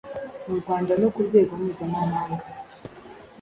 mu Rwanda no ku rwego mpuzamahanga.